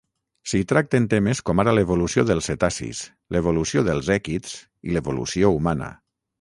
S'hi tracten temes com ara l'evolució dels cetacis, l'evolució dels èquids i l'evolució humana.